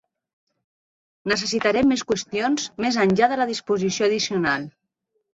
Necessitarem més qüestions més enllà de la disposició addicional.